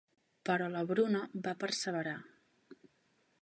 Però la Bruna va perseverar.